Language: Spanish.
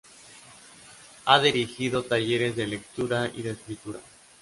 Ha dirigido talleres de lectura y de escritura.